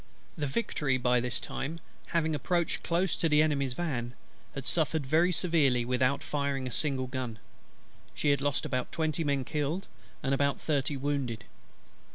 The Victory by this time, having approached close to the Enemy's van, had suffered very severely without firing a single gun: she had lost about twenty men killed, and had about thirty wounded.